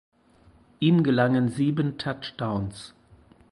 Ihm gelangen sieben Touchdowns.